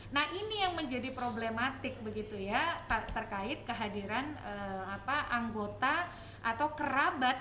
nah ini yang menjadi problematik begitu ya terkait kehadiran anggota atau kerabat